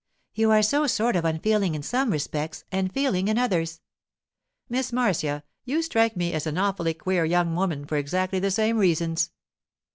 You are so sort of unfeeling in some respects and feeling in others.' 'Miss Marcia, you strike me as an awfully queer young woman for exactly the same reasons.